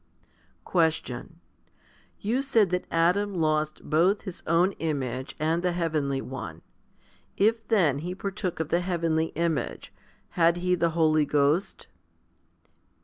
6. Question. You said that Adam lost both his own image and the heavenly one. If then he partook of the heavenly image, had he the Holy Ghost?